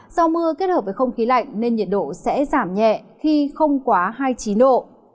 do mưa kết hợp với không khí lạnh nên nhiệt độ sẽ giảm nhẹ khi không quá hai mươi chín độ